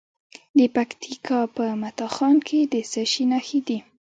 د پکتیکا په متا خان کې د څه شي نښې دي؟